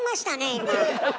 今。